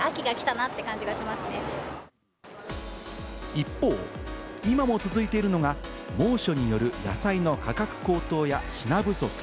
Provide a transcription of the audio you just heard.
一方、今も続いているのが猛暑による野菜の価格高騰や品不足。